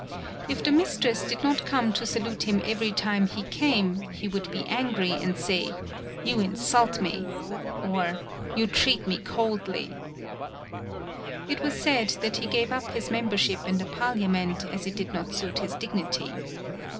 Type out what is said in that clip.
If the mistress did not come to salute him every time he came he would be angry and say : "You insult me," or 94 THE BILL COLLECTING "You treat me coldly." It was said that he gave up his membership in the parlia ment as it did not suit his dignity.